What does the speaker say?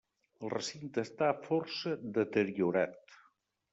El recinte està força deteriorat.